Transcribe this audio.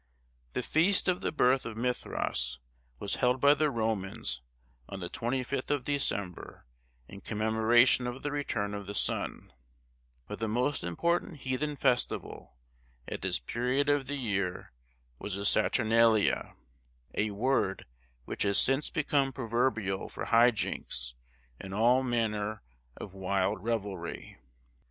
The feast of the birth of Mithras was held by the Romans on the 25th of December, in commemoration of the return of the sun; but the most important heathen festival, at this period of the year, was the Saturnalia, a word which has since become proverbial for high jinks, and all manner of wild revelry.